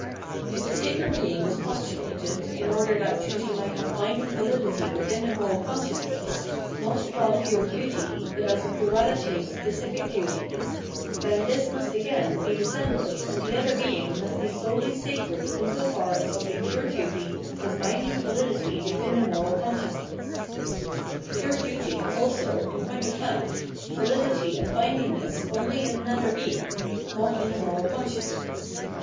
If the sacred being was postulated, in order that duty might have binding %'ahdity within the moral con sciousness, not qua pure duty, but as a plurahty of specific duties, then this must again be dissembled and the other being must be solely sacred in so far as only pure duty has binding validity 'within the moral consciousness. Pure duty has also, in point of fact, vahdity and bindingness only in another being, not in the moral consciousness.